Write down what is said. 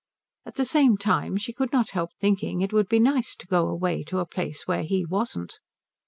At the same time she could not help thinking it would be nice to go away to a place where he wasn't.